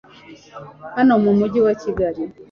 hano mu mujyi wa Kigali,